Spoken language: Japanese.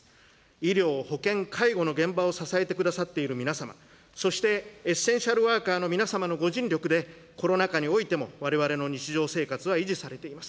医療、保健、介護の現場を支えてくださっている皆様、そしてエッセンシャルワーカーの皆様のご尽力でコロナ禍においてもわれわれの日常生活は維持されています。